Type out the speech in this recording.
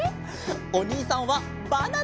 おにいさんはバナナ！